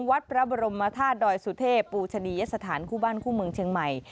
วัดพระบรมธาตุดอยสุเทพปูชนียสถานคู่บ้านคู่เมืองเชียงใหม่